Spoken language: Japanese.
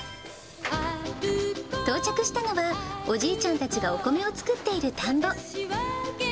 到着したのは、おじいちゃんたちがお米を作っている田んぼ。